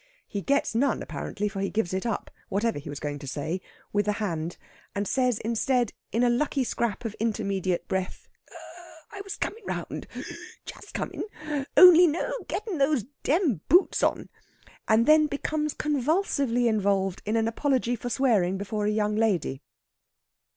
He gets none, apparently, for he gives it up, whatever he was going to say, with the hand, and says instead, in a lucky scrap of intermediate breath: "I was comin' round just comin' only no gettin' those dam boots on!" And then becomes convulsively involved in an apology for swearing before a young lady.